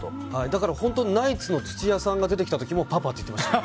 だから本当ナイツの土屋さんが出てきた時もパパって言ってました。